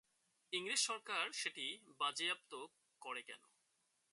ইংরেজ সরকার সেটি বাজেয়াপ্ত করে কেনো?